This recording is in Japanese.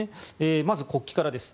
まず国旗からです。